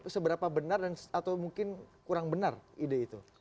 seberapa benar atau mungkin kurang benar ide itu